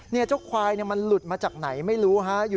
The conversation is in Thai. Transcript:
เนี่ยโจ๊กควายมันหลุดมาจากไหนไม่รู้